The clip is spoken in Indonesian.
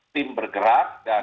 tim bergerak dan